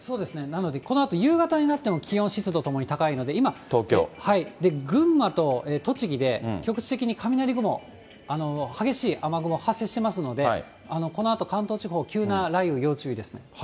なのでこのあと、夕方になっても気温、湿度ともに高いので、今、群馬と栃木で局地的に雷雲、激しい雨雲、発生してますので、このあと、関東地方、急な雷雨要注意ですね。